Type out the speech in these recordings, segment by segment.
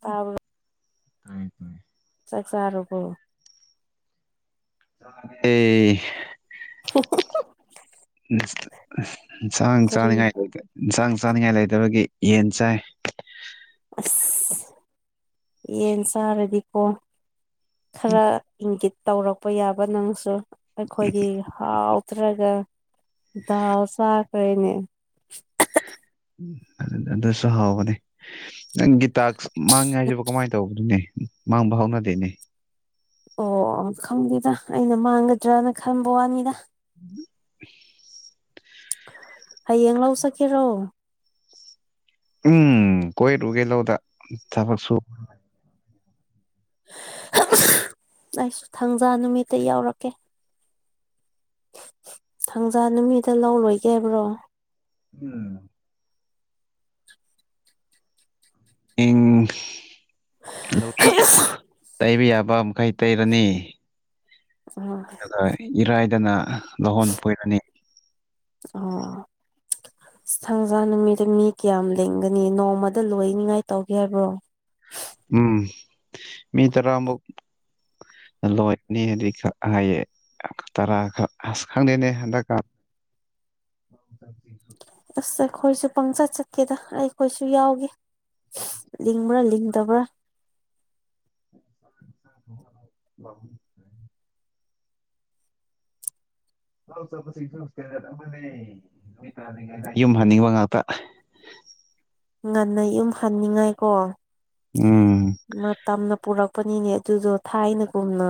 ꯇꯥꯕ꯭ꯔꯣ ꯇꯥꯏ ꯇꯥꯏ ꯆꯥꯛ ꯆꯥꯥꯔꯕꯣ ꯑꯩꯍ [inaudible] [inaudible] ꯏꯟꯁꯥꯡ ꯀꯔꯤ ꯆꯥꯅꯤꯡꯉꯥꯏ ꯂꯩꯇꯦ ꯏꯟꯁꯥꯡ ꯆꯥꯅꯤꯡꯉꯥꯏ ꯂꯩꯇꯕꯒꯤ ꯌꯦꯟ ꯆꯥꯏ ꯑꯁ ꯌꯦꯟ ꯆꯥꯔꯗꯤꯀꯣ ꯈꯔ ꯏꯪꯒꯤꯠ ꯇꯧꯔꯛꯄ ꯌꯥꯕ ꯅꯪꯁꯨ ꯑꯩꯈꯣꯏꯗꯤ ꯍꯥꯎꯇ꯭ꯔꯒ ꯗꯥꯜ ꯆꯥꯈ꯭ꯔꯦꯅꯦ ꯑꯗꯨ ꯑꯗꯨꯁꯨ ꯍꯥꯎꯕꯅꯦ ꯅꯪꯒꯤ ꯇꯥꯛꯁ ꯃꯥꯡꯉꯦ ꯍꯥꯏꯁꯤꯕꯨ ꯀꯃꯥꯏ ꯇꯧꯕꯅꯨꯅꯦ ꯃꯥꯡꯕ ꯍꯧꯅꯗꯦꯅꯦ ꯑꯣ ꯈꯪꯗꯦꯗ ꯑꯩꯅ ꯃꯥꯡꯒꯗ꯭ꯔꯅ ꯈꯟꯕ ꯋꯥꯅꯤꯗ [unintelligible] ꯍꯌꯦꯡ ꯂꯧ ꯆꯠꯀꯦꯔꯣ ꯎꯝ ꯀꯣꯏꯔꯨꯒꯦ ꯂꯧꯗ ꯊꯕꯛ ꯁꯨ ꯑꯩꯁꯨ ꯊꯪꯖꯥ ꯅꯨꯃꯤꯠꯇ ꯌꯥꯎꯔꯛꯀꯦ ꯊꯪꯖꯥ ꯅꯨꯃꯤꯠꯇ ꯂꯧ ꯂꯣꯏꯒꯦ ꯍꯥꯏꯕ꯭ꯔꯣ ꯎꯝ ꯎꯝ ꯂꯧꯔꯤ ꯇꯩꯕ ꯌꯥꯕ ꯃꯈꯩ ꯇꯩꯔꯅꯤ ꯎꯝ ꯑꯗꯨꯒ ꯏꯔꯥꯏꯗꯅ ꯂꯧꯍꯣꯟ ꯐꯣꯏꯔꯅꯤ ꯑꯣ ꯏꯁ ꯊꯥꯡꯖ ꯅꯨꯃꯤꯠꯇ ꯃꯤ ꯀꯌꯥꯝ ꯂꯤꯡꯒꯅꯤ ꯅꯣꯡꯃꯗ ꯂꯣꯏꯅꯤꯉꯥꯏ ꯇꯧꯒꯦ ꯍꯥꯏꯕ꯭ꯔꯣ ꯎꯝ ꯃꯤ ꯇꯔꯥ ꯃꯨꯛ ꯑ ꯂꯣꯏꯒꯅꯤꯅꯗꯤ ꯈ ꯍꯥꯏꯌꯦ ꯇꯔꯥ ꯈꯛ ꯑꯁ ꯈꯪꯗꯦꯅꯦ ꯍꯟꯗꯛ ꯀꯥ [unintelligible] ꯑꯁ ꯑꯩꯈꯣꯏꯁꯨ ꯄꯪꯆꯠ ꯆꯠꯀꯦꯗ ꯑꯩꯈꯣꯏꯁꯨ ꯌꯥꯎꯒꯦ ꯂꯤꯡꯕ꯭ꯔ ꯂꯤꯡꯗꯕ꯭ꯔ [unintelligible] ꯂꯧ ꯆꯠꯄꯁꯤꯡꯁꯨ ꯅꯣꯁꯇꯦꯔꯠ ꯑꯃꯅꯦ ꯃꯩ ꯄꯥꯜꯂꯤꯉꯩꯗ ꯌꯨꯝ ꯍꯟꯅꯤꯡꯕ ꯉꯥꯛꯇ [inaudible] ꯉꯟꯅ ꯌꯨꯝ ꯍꯟꯅꯤꯡꯉꯥꯏ ꯀꯣ ꯎꯝ ꯃꯇꯝꯅ ꯄꯨꯔꯛ ꯄꯅꯤꯅꯦ ꯑꯗꯨꯗꯣ ꯊꯥꯏꯅꯒꯨꯝꯅ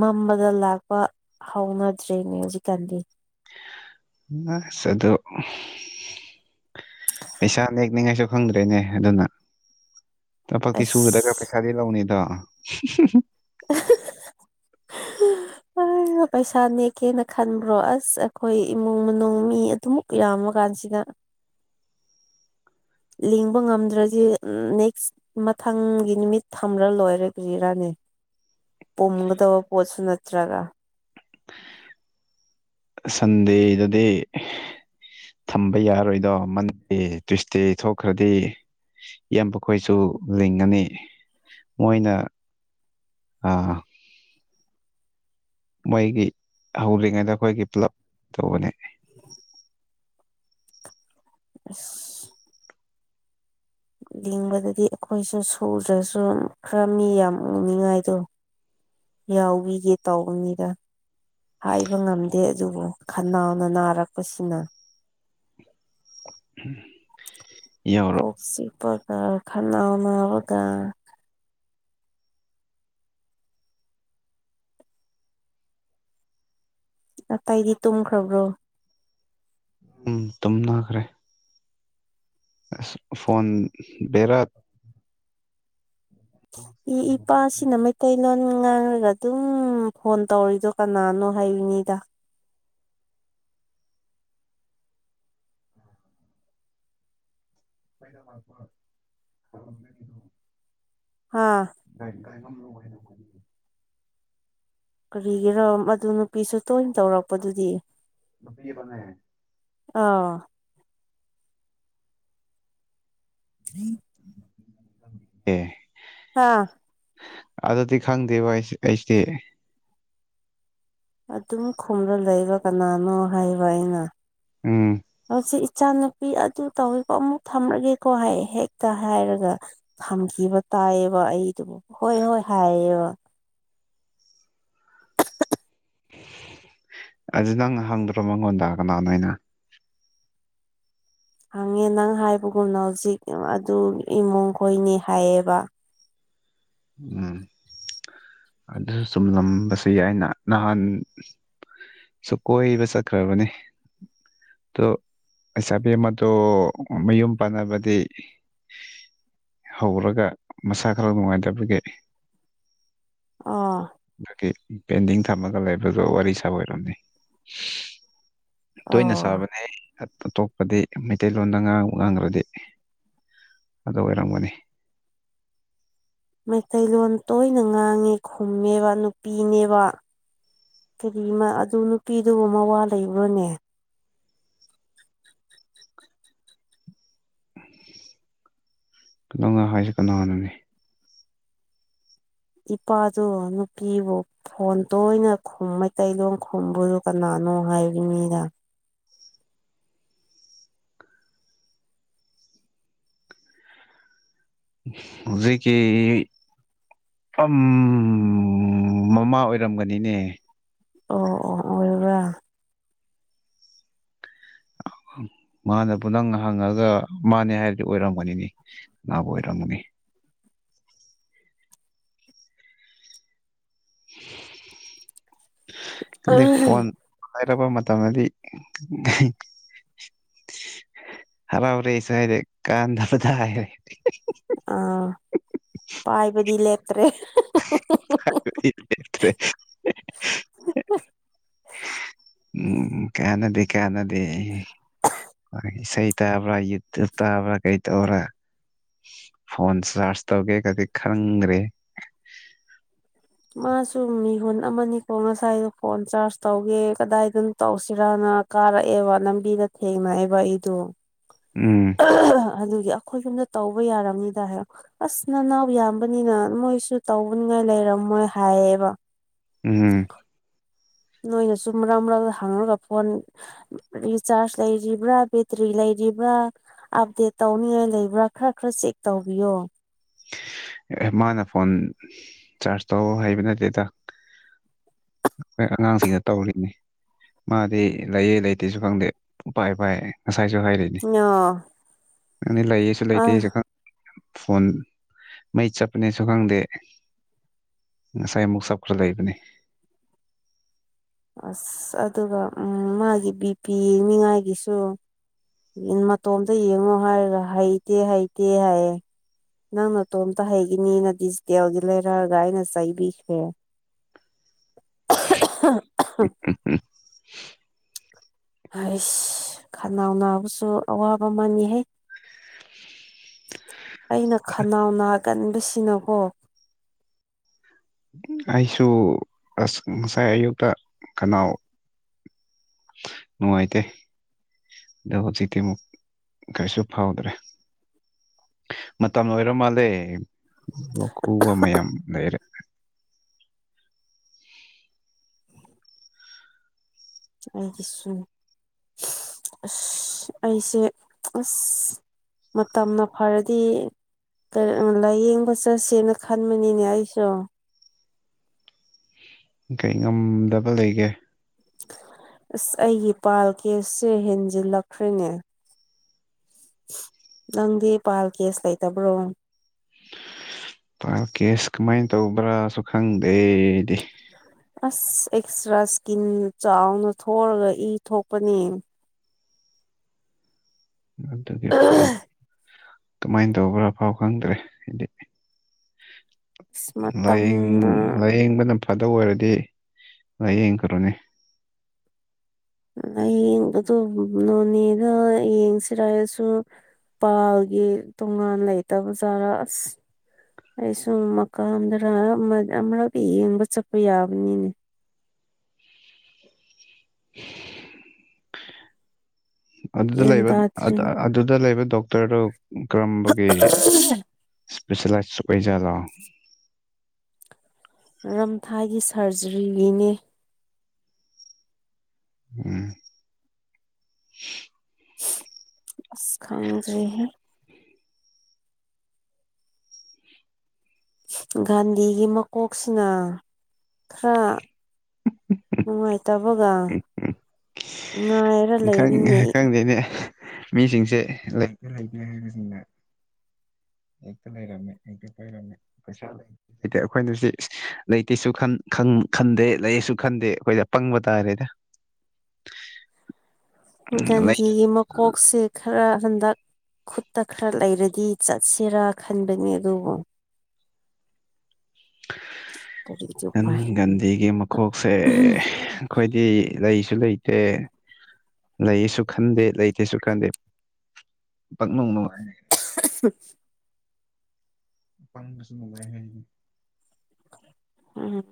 ꯃꯝꯃꯒ ꯂꯥꯛꯄ ꯍꯧꯅꯗ꯭ꯔꯦꯅꯦ ꯍꯧꯖꯤꯛꯀꯥꯟꯗꯤ ꯅꯁ ꯑꯗꯣ ꯄꯩꯁꯥ ꯅꯦꯛꯅꯤꯉꯥꯏꯁꯨ ꯈꯪꯗ꯭ꯔꯦꯅꯦ ꯑꯗꯨꯅ ꯊꯕꯛꯇꯤ ꯁꯨꯗ꯭ꯔꯒ ꯑꯁ ꯄꯩꯁꯥꯗꯤ ꯂꯧꯅꯤꯗꯣ [inaudible] [inaudible] ꯅꯅ ꯄꯩꯁꯥ ꯅꯦꯛꯀꯦꯅ ꯈꯟꯕ꯭ꯔꯣ ꯑꯁ ꯑꯩꯈꯣꯏ ꯏꯃꯨꯡ ꯃꯅꯨꯡ ꯃꯤ ꯑꯗꯨꯃ ꯌꯥꯝꯃ ꯀꯥꯟꯁꯤꯗ ꯂꯤꯡꯕ ꯉꯝꯗ꯭ꯔꯗꯤ ꯅꯦꯛꯁ ꯃꯊꯪꯒꯤ ꯅꯨꯃꯤꯠ ꯊꯝꯂ ꯂꯣꯏꯔꯦ ꯒꯔꯤꯔꯥꯅꯤ ꯄꯨꯝꯒꯗꯕ ꯄꯣꯠꯁꯨ ꯅꯠꯇ꯭ꯔꯒ ꯁꯟꯗꯦꯗꯗꯤ ꯊꯝꯕ ꯌꯥꯔꯣꯏꯗꯣ ꯃꯟꯗꯦ ꯇ꯭ꯨꯁꯗꯦ ꯊꯣꯛꯈ꯭ꯔꯗꯤ ꯏꯦꯝꯕꯈꯣꯏꯁꯨ ꯂꯤꯡꯉꯅꯤ ꯃꯣꯏꯅ ꯃꯣꯏꯒꯤ ꯍꯧꯔꯤꯉꯩꯗ ꯑꯩꯈꯣꯏꯒꯤ ꯄꯨꯂꯞ ꯇꯧꯕꯅꯦ [inaudible] ꯎ [inaudible] ꯂꯤꯡꯕꯗꯗꯤ ꯑꯩꯈꯣꯏꯁꯨ ꯁꯨꯗ꯭ꯔꯁꯨ ꯈꯔ ꯃꯤ ꯌꯥꯝꯅꯤꯡꯉꯥꯏꯗꯣ ꯌꯥꯎꯋꯒꯦ ꯇꯥꯎꯕ ꯃꯤꯗ ꯍꯥꯏꯕ ꯉꯝꯗꯦ ꯑꯗꯨꯕꯨ ꯈꯟꯅꯥꯎꯅ ꯅꯥꯔꯛꯄꯁꯤꯅ ꯌꯥ ꯀꯣꯛ ꯆꯤꯛꯄꯒ ꯈꯅꯥꯎ ꯅꯥꯕꯒ ꯑꯇꯩꯗꯤ ꯇꯨꯝꯈ꯭ꯔꯕꯣ ꯎꯝ ꯇꯨꯝꯅꯈ꯭ꯔꯦ ꯑꯁ ꯐꯣꯟ ꯕꯦꯔꯥꯛ ꯏ ꯏꯄꯥꯁꯤꯅ ꯃꯩꯇꯩꯂꯣꯟ ꯉꯥꯡꯔꯒ ꯑꯗꯨꯝ ꯐꯣꯟ ꯇꯧꯔꯤꯗꯣ ꯀꯅꯥꯅꯣ ꯍꯥꯏꯌꯨꯅꯤꯗ [inaudible] ꯍꯥꯥ ꯒꯥꯢ ꯒꯥꯢꯉꯝꯂꯨ ꯍꯥꯢꯅ [unintelligible] ꯀꯔꯤꯒꯤꯔꯣ ꯃꯗꯨ ꯅꯨꯄꯤꯁꯨ ꯇꯣꯏꯅ ꯇꯧꯔꯛꯄꯗꯨꯗꯤ ꯅꯨꯄꯤ ꯑꯃꯅꯦ ꯑꯥ [inaudible] ꯑꯦ ꯍꯥꯥ ꯑꯗꯨꯗꯤ ꯈꯪꯗꯦꯕ ꯑꯩꯁꯦ ꯑꯩꯁꯦ ꯑꯗꯨꯝ ꯈꯨꯝꯔ ꯂꯩꯕ ꯀꯅꯥꯅꯣ ꯍꯥꯏꯕ ꯑꯩꯅ ꯎꯝ ꯍꯣꯢꯁꯦ ꯏꯆꯥ ꯅꯨꯨꯄꯤ ꯑꯗꯨ ꯇꯧꯋꯤꯀꯣ ꯑꯃꯨꯛ ꯊꯝꯔꯒꯦꯀꯣ ꯍꯥꯏꯌꯦ ꯍꯦꯛꯇ ꯍꯥꯏꯔꯒ ꯊꯝꯈꯤꯕ ꯇꯥꯏꯌꯦꯕ ꯑꯩꯗꯣ ꯍꯣꯏ ꯍꯣꯏ ꯍꯥꯏꯌꯦꯕ ꯑꯗꯨ ꯅꯪꯅ ꯍꯪꯗ꯭ꯔꯣ ꯃꯪꯉꯣꯟꯗ ꯀꯅꯥꯅꯣꯅꯩꯅ ꯍꯪꯉꯦ ꯅꯪ ꯍꯥꯏꯕꯒꯨꯝꯅ ꯍꯧꯖꯤꯛ ꯑꯗꯨ ꯏꯃꯨꯡ ꯈꯣꯏꯅꯤ ꯍꯥꯏꯌꯦꯕ ꯎꯝ ꯑꯗꯨꯁꯨ ꯆꯨꯝꯂꯝꯕꯁꯨ ꯌꯥꯏꯅ ꯅꯍꯥꯟ ꯁꯨ ꯀꯣꯏꯕ ꯆꯠꯈ꯭ꯔꯥꯕꯅꯦ ꯗꯣ ꯑꯁ ꯑꯕꯦꯝꯃꯗꯣ ꯃꯌꯨꯝ ꯄꯥꯟꯅꯕꯗꯤ ꯍꯧꯔꯒ ꯃꯁꯥ ꯈꯔ ꯅꯨꯡꯉꯥꯏꯗ ꯇꯕꯒꯤ ꯑꯣ ꯃꯥꯒꯤ ꯄꯦꯟꯗꯤꯡ ꯊꯝꯃꯒ ꯂꯩꯕꯗꯣ ꯋꯥꯔꯤ ꯁꯥ ꯑꯣꯏꯔꯝꯅꯤ ꯇꯣꯏꯅ ꯑꯣ ꯁꯥꯕꯅꯦꯍꯦ ꯑꯇꯣꯞꯄꯗꯤ ꯃꯩꯇꯩꯂꯣꯟꯗ ꯉꯥꯡ ꯉꯥꯡꯒ꯭ꯔꯗꯤ ꯑꯗꯨ ꯑꯣꯏꯔꯝꯒꯅꯤ ꯃꯩꯇꯩꯂꯣꯟ ꯇꯣꯏꯅ ꯉꯥꯡꯉꯦ ꯈꯨꯝꯃꯦꯕ ꯅꯨꯄꯤꯅꯦꯕ ꯀꯔꯤ ꯑꯗꯨ ꯅꯨꯄꯤꯗꯨꯕꯨꯨꯝ ꯃꯋꯥ ꯂꯩꯕ꯭ꯔꯣꯅꯦ ꯅꯪꯅ ꯍꯥꯏꯖꯦ ꯀꯅꯥꯅꯣꯅꯦ ꯏꯄꯥꯗꯣ ꯅꯨꯄꯤꯕꯣ ꯐꯣꯟ ꯇꯣꯏꯅ ꯈꯨꯝ ꯃꯩꯇꯩꯂꯣꯟ ꯈꯨꯝꯕꯨꯗꯣ ꯀꯅꯥꯅꯣ ꯍꯥꯏꯕꯅꯤꯗ ꯍꯧꯖꯤꯛꯀꯤ ꯐꯝ... ꯃꯃꯥ ꯑꯣꯏꯔꯝꯒꯅꯤꯅꯦ ꯑꯣ ꯑꯣ ꯑꯣꯢ [unintelligible] ꯃꯥꯅꯕꯨ ꯅꯪ ꯍꯪꯉꯒ ꯃꯥꯅꯦ ꯍꯥꯏꯔꯗꯤ ꯑꯣꯏꯔꯝꯒꯅꯤꯅꯦ ꯀꯅꯥꯕꯨ ꯑꯣꯏꯔꯃꯅꯤ ꯈꯪꯗꯦ ꯐꯣꯟ ꯍꯥꯏꯔꯕ ꯃꯇꯝꯗꯗꯤ ꯍꯔꯥꯎꯔꯦꯁꯨ ꯍꯥꯏꯔꯦ ꯀꯥꯟꯗꯕꯗ ꯍꯥꯏꯔꯦ ꯑꯥ ꯄꯥꯏꯕꯗꯤ ꯂꯦꯞꯇ꯭ꯔꯦ [unintelligible] ꯎꯝ ꯀꯅꯥꯗꯦ ꯀꯅꯥꯗꯦ ꯢꯁꯩ ꯇꯥꯕ꯭ꯔꯥ ꯌꯨꯇꯨꯞ ꯇꯥꯕ꯭ꯔꯥ ꯀꯩ ꯇꯧꯕ꯭ꯔꯥ ꯐꯣꯟ ꯆꯥꯔꯖ ꯇꯧꯒꯦꯒꯗꯤ ꯈꯪꯗ꯭ꯔꯦ ꯃꯥꯁꯨ ꯃꯤꯍꯨꯟ ꯑꯃꯅꯤꯀꯣ ꯉꯁꯥꯏꯗꯣ ꯐꯣꯟ ꯆꯥꯔꯖ ꯇꯧꯒꯦ ꯀꯗꯥꯏꯗꯅꯣ ꯇꯧꯁꯤꯔꯥꯅ ꯀꯥꯔꯛꯑꯦꯕ ꯂꯝꯕꯤꯗ ꯊꯦꯡꯅꯛꯑꯦꯕ ꯑꯩꯗꯣ ꯎꯝ ꯑꯗꯨꯒꯤ ꯑꯩꯈꯣꯏ ꯌꯨꯝꯗ ꯇꯧꯕ ꯌꯥꯔꯝꯅꯤꯗ ꯍꯥꯏꯔ ꯑꯁ ꯅꯅꯥꯎ ꯌꯥꯝꯕꯅꯤꯅ ꯃꯣꯏꯁꯨ ꯇꯧꯕꯅꯤꯉꯥꯏ ꯂꯩꯔꯝꯃꯣꯏ ꯍꯥꯏꯌꯦꯕ ꯎꯝ [unintelligible] ꯅꯣꯏꯅꯁꯨꯨꯝ ꯃꯔꯛ ꯃꯔꯛ ꯍꯥꯡꯔꯨꯔꯒ ꯐꯣꯟ ꯔꯤꯆꯥꯔꯖ ꯂꯩꯔꯤꯕ꯭ꯔꯥ ꯕꯦꯇ꯭ꯔꯤ ꯂꯩꯔꯤꯕ꯭ꯔꯥ ꯑꯞꯗꯦꯠ ꯇꯧꯅꯤꯡꯉꯥꯏ ꯂꯩꯕ꯭ꯔꯥ ꯈꯔ ꯈꯔ ꯆꯦꯛ ꯇꯧꯕꯤꯌꯣ ꯑꯦ ꯃꯥꯅ ꯐꯣꯟ ꯆꯥꯔꯖ ꯇꯧ ꯍꯥꯏꯩꯕ ꯅꯠꯇꯦꯗ ꯑꯩꯈꯣꯏ ꯑꯉꯥꯡꯁꯤꯗ ꯇꯧꯔꯤꯅꯤ ꯃꯥꯗꯤ ꯂꯩꯌꯦ ꯂꯩꯇꯦꯁꯨ ꯈꯪꯗꯦ ꯎꯄꯥꯏ ꯄꯥꯏ ꯉꯁꯥꯏꯁꯨ ꯍꯥꯏꯔꯤ ꯑ ꯑꯗꯨꯅꯤ ꯂꯩꯌꯦꯁꯨ ꯂꯩꯇꯦꯁꯨ ꯐꯣꯟ ꯃꯩ ꯆꯠꯄꯅꯦꯁꯨ ꯈꯪꯗꯦ ꯉꯁꯥꯏ ꯑꯃꯨꯛ ꯆꯞꯈ꯭ꯔ ꯂꯩꯕꯅꯤ ꯑꯁ ꯑꯗꯨꯒ ꯎ ꯃꯥꯒꯤ ꯕꯤꯄꯤ ꯃꯤꯉꯥꯏꯒꯤꯁꯨ ꯃꯇꯣꯝꯇ ꯌꯦꯡꯉꯣ ꯍꯥꯏꯔꯒ ꯍꯩꯇꯦ ꯍꯩꯇꯦ ꯍꯥꯏꯩꯌꯦ ꯅꯪ ꯃꯇꯇꯣꯝꯇ ꯍꯩꯈꯤꯅꯤꯅ ꯗꯤꯖꯤꯇꯦꯜꯒꯤ ꯂꯩꯔꯛꯑꯒ ꯑꯩꯅ ꯆꯩꯕꯤꯈ꯭ꯔꯦ [unintelligible] [unintelligible] ꯑꯩꯁ ꯈꯅꯥꯎ ꯅꯥꯕꯁꯨ ꯑꯋꯥꯕ ꯃꯅꯤꯍꯩ ꯑꯩꯅ ꯈꯅꯥꯎ ꯅꯥꯒꯟꯕꯁꯤꯅꯀꯣ ꯑꯩꯁꯨ ꯑꯁ ꯉꯁꯥꯏ ꯑꯌꯨꯛꯇ ꯀꯅꯥꯎ ꯅꯨꯡ ꯑꯥꯏꯇꯦ ꯑꯗꯣ ꯍꯧꯖꯤꯛꯇꯤ ꯑꯃꯨꯛ ꯀꯩꯁꯨ ꯐꯥꯎꯗ꯭ꯔꯦ ꯃꯇꯝ ꯑꯣꯏꯔ ꯃꯥꯜꯂꯦ ꯈꯨꯕ ꯃꯌꯥꯝ ꯂꯩꯔꯦ ꯑꯩꯒꯤꯁꯨ ꯑꯁ ꯑꯩꯁꯦ ꯑꯁ ꯃꯇꯝꯅ ꯐꯔꯗꯤ ꯂꯥꯏꯌꯦꯡꯕ ꯆꯠꯁꯦꯅ ꯈꯟꯕꯅꯤꯅꯦ ꯑꯩꯁꯨ ꯀꯩ ꯉꯝꯗꯕ ꯂꯩꯒꯦ ꯑꯁ ꯑꯩꯒꯤ ꯄꯥꯜ ꯀꯦꯁꯁꯦ ꯍꯦꯟꯖꯤꯜꯂꯛꯈ꯭ꯔꯦꯅꯦ ꯅꯪꯗꯤ ꯄꯥꯜ ꯀꯦꯁ ꯂꯩꯇꯕ꯭ꯔꯣ ꯄꯥꯜ ꯀꯦꯁ ꯀꯃꯥꯏꯅ ꯇꯧꯕ꯭ꯔꯥꯁꯨ ꯈꯪꯗꯦꯗꯤ ꯑꯁ ꯑꯦꯛꯁꯇ꯭ꯔꯥ ꯏꯁꯀꯤꯟ ꯆꯥꯎꯅ ꯊꯣꯛꯑꯒ ꯏ ꯊꯣꯛꯄꯅꯦ ꯑꯗꯨꯒꯤ ꯑꯁ ꯀꯃꯥꯏꯅ ꯇꯧꯕ꯭ꯔꯥꯐꯥꯎ ꯈꯪꯗ꯭ꯔꯦ ꯍꯥꯏꯗꯤ ꯂꯥꯏꯌꯦꯡ ꯃꯇꯝꯅ ꯂꯥꯏꯌꯦꯡꯕꯅ ꯐꯗꯕ ꯑꯣꯏꯔꯗꯤ ꯂꯥꯏꯌꯦꯡꯈ꯭ꯔꯣꯅꯤ ꯑꯩꯡ ꯑꯗꯨꯗ ꯅꯣꯅꯦꯗ ꯌꯦꯡꯁꯤꯔꯔꯁꯨ ꯏ ꯄꯥꯜꯒꯤ ꯇꯣꯉꯥꯟ ꯂꯩꯇꯕ ꯖꯥꯔꯥ ꯑꯁ ꯑꯩ ꯁꯨꯝ ꯃꯀꯥꯟꯗꯔ ꯑꯃꯨꯔꯛꯇ ꯌꯦꯡꯕ ꯆꯠꯄ ꯌꯥꯕꯅꯤꯅꯦ [inaudible] ꯑꯗꯨꯗ ꯒ꯭ꯌꯥꯟ ꯂꯩꯕ ꯇꯥꯗ꯭ꯔꯤꯅꯦ ꯑꯗꯨꯗ ꯂꯩꯕ ꯗꯣꯛꯇꯔꯗꯨ ꯀꯔꯝꯕꯒꯤ ꯏꯁꯄꯤꯦꯁꯦꯂꯥꯏꯁ ꯑꯣꯏꯖꯥꯂꯣ [inaudible] ꯃꯔꯝꯊꯥꯒꯤ ꯁꯥꯔꯖꯔꯤꯒꯤꯅꯦ ꯎꯝ ꯈꯪꯗ꯭ꯔꯦꯍꯦ ꯒꯥꯟꯙꯤꯒꯤ ꯃꯀꯣꯛꯁꯤꯅ ꯈꯔ ꯅꯨꯡꯉꯥꯏꯇ ꯇꯕꯒ ꯉ ꯈꯪꯉꯦ ꯈꯪꯗꯦꯅꯦ ꯃꯤꯁꯤꯡꯁꯦ ꯂꯩꯇꯦ ꯂꯩꯇꯦ ꯍꯥꯏꯕꯁꯤꯡꯅ ꯌꯦꯛꯇ ꯂꯩꯔꯝꯃꯦꯛꯇ ꯄꯔꯝꯃꯦ ꯀꯩ ꯍꯥꯏꯗꯤ ꯑꯩꯈꯣꯏꯅ ꯁꯤ ꯂꯩꯇꯦꯁꯨ ꯈꯟꯗꯦ ꯂꯩꯁꯨ ꯈꯟꯗꯦ ꯑꯩꯈꯣꯏꯗ ꯄꯪꯕ ꯇꯥꯔꯦꯗ ꯂꯩꯗ ꯥꯒꯟꯙꯤꯒꯤ ꯃꯀꯣꯛꯁꯦ ꯈꯔ ꯍꯟꯗꯛ ꯈꯨꯠꯇ ꯈꯔ ꯂꯩꯔꯗꯤ ꯆꯠꯁꯤꯔꯥ ꯈꯟꯕꯅꯤ ꯑꯗꯨꯕꯨ [inaudible] ꯀꯔꯤꯗꯤ ꯎꯄꯥꯏ ꯒꯥꯟꯙꯤꯒꯤ ꯃꯀꯣꯛꯁꯦ ꯑꯩꯈꯣꯏꯗꯤ ꯂꯩꯁꯨ ꯂꯩꯇꯦ ꯂꯩꯁꯨ ꯈꯟꯗꯦ ꯂꯩꯇꯦꯁꯨ ꯈꯟꯗꯦ ꯄꯥꯛꯅꯨꯡ ꯅꯨꯡꯉꯥꯏꯌꯦ [inaudible] ꯄꯪꯕꯁꯨ ꯅꯨꯡꯉꯥꯏ ꯍꯥꯏ ꯎꯝ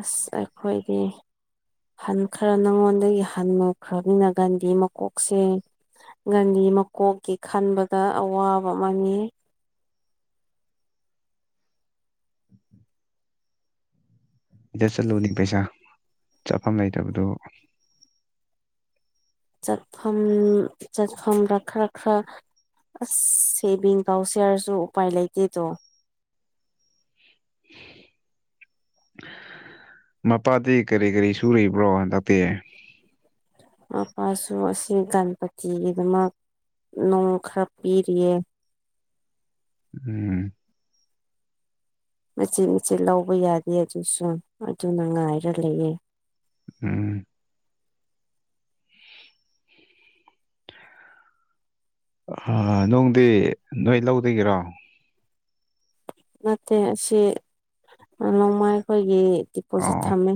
ꯑꯁ ꯑꯩꯈꯣꯏꯗꯤ ꯍꯟ ꯈꯔ ꯅꯪꯉꯣꯟꯗꯒꯤ ꯍꯟꯅꯨ ꯈ꯭ꯔꯕꯅꯤꯅ ꯒꯟꯗꯤ ꯃꯀꯣꯛꯁꯦ ꯒꯟꯙꯤ ꯃꯀꯣꯛꯀꯤ ꯈꯟꯕꯗ ꯑꯋꯥꯕ ꯑꯃꯅꯤ ꯏꯗ ꯆꯠꯂꯨꯅꯤ ꯄꯩꯁꯥ ꯆꯠꯐꯝ ꯂꯩꯇꯕꯗꯨ ꯆꯠꯐꯝ ꯆꯠꯐꯝꯗ ꯈꯔ ꯈꯔ ꯑꯁ ꯁꯦꯚꯤꯡ ꯇꯧꯁꯦ ꯍꯥꯏꯔꯁꯨ ꯎꯄꯥꯏ ꯂꯩꯇꯦꯗꯣ [inaudible] ꯃꯄꯥꯗꯤ ꯀꯔꯤ ꯀꯔꯤ ꯁꯨꯔꯤꯕ꯭ꯔꯣ ꯍꯟꯗꯛꯇꯤ ꯃꯄꯥꯁꯨ ꯑꯁꯤ ꯒꯟꯄꯇꯤꯒꯤꯗꯃꯛ ꯅꯣꯡ ꯈꯔ ꯄꯤꯔꯤꯌꯦ ꯎꯝ ꯃꯆꯦꯠ ꯃꯆꯦꯠ ꯂꯧꯕ ꯌꯥꯗꯦ ꯑꯗꯨꯁꯨ ꯑꯗꯨꯅ ꯉꯥꯏꯔ ꯂꯩꯌꯦ ꯎꯝ ꯑꯥ ꯅꯣꯡꯗꯤ ꯅꯣꯏ ꯂꯧꯗꯒꯤꯔꯣ ꯅꯠꯇꯦ ꯑꯁꯤ ꯅꯣꯡꯃꯩ ꯑꯩꯈꯣꯏꯒꯤ ꯗꯤꯄꯣꯖꯤꯠ ꯑꯣ ꯊꯝꯃꯦ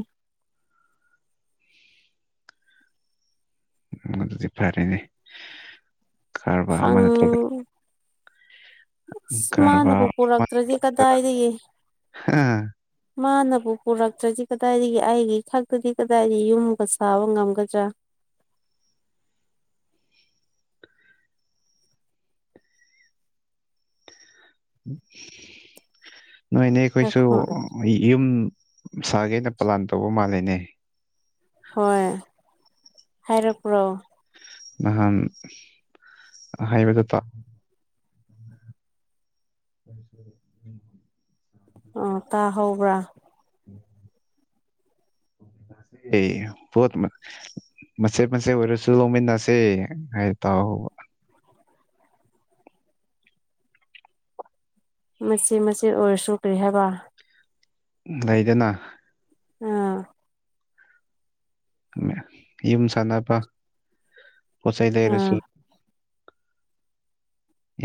ꯎꯝ ꯑꯗꯨꯗꯤ ꯐꯔꯦꯅꯦ ꯀꯔꯕꯥꯔ ꯑꯃ ꯐꯪ ꯅꯠꯇ꯭ꯔꯒ ꯑꯁ ꯀꯔꯕꯥꯔ ꯃꯥꯅꯕꯨ ꯄꯨꯔꯛꯇ꯭ꯔꯗꯤ ꯀꯗꯥꯏꯗꯒꯤ ꯍꯥ ꯃꯥꯅꯕꯨ ꯄꯨꯔꯛꯇ꯭ꯔꯗꯤ ꯀꯗꯥꯏꯗꯒꯤ ꯑꯩꯒꯤ ꯈꯛꯇꯗꯤ ꯀꯗꯥꯏꯗꯒꯤ ꯌꯨꯝꯒ ꯁꯥꯕ ꯉꯝꯒꯗ꯭ꯔꯥ ꯅꯣꯏꯅꯦ ꯑꯩꯈꯣꯏꯁꯨ ꯑꯩꯈꯣꯏ ꯑꯩ ꯌꯨꯝ ꯁꯥꯒꯦꯅ ꯄ꯭ꯂꯥꯟ ꯇꯧꯕ ꯃꯥꯜꯂꯦꯅꯦ ꯍꯣꯏ ꯍꯥꯏꯔꯛꯄ꯭ꯔꯣ ꯅꯍꯥꯟ ꯍꯥꯏꯕꯗꯨ ꯇꯥ [unintelligible] ꯑꯣ ꯇꯥ ꯍꯧꯕ꯭ꯔꯥ [unintelligible] [unintelligible] ꯃꯆꯦꯠ ꯃꯆꯦꯠ ꯑꯣꯏꯔꯁꯨ ꯂꯧꯃꯤꯟꯅꯁꯦ ꯍꯥꯏ ꯇꯥꯎꯍꯧꯕ ꯃꯆꯦ ꯃꯆꯦꯠ ꯑꯣꯏꯔꯁꯨ ꯀꯔꯤ ꯍꯥꯏꯕ ꯂꯩꯗꯅ ꯑꯥ ꯌꯨꯝ ꯁꯥꯅꯕ ꯄꯣꯠꯆꯩ ꯂꯩꯔꯁꯨ ꯑꯥ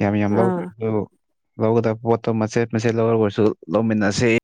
ꯌꯥꯝ ꯌꯥꯝ ꯑꯥ ꯂꯧꯗꯔꯁꯨ ꯂꯧꯒꯗꯕ ꯄꯣꯠꯇꯣ ꯃꯆꯦꯠ ꯃꯆꯦꯠ ꯂꯧꯔꯒꯁꯨ ꯂꯧꯃꯤꯟꯅꯁꯤ